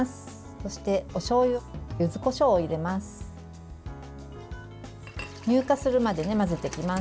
そして、おしょうゆゆずこしょうを入れます。